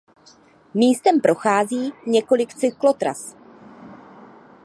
Místem prochází několik cyklotras.